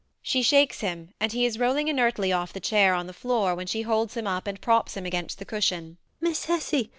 [She shakes him; and he is rolling inertly off the chair on the floor when she holds him up and props him against the cushion]. Miss Hessy!